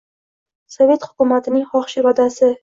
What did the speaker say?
Sovet hukumatining xohish-irodasi!